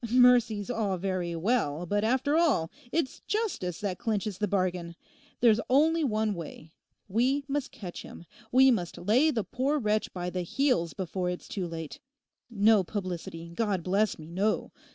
Mercy's all very well, but after all it's justice that clinches the bargain. There's only one way: we must catch him; we must lay the poor wretch by the heels before it's too late. No publicity, God bless me, no.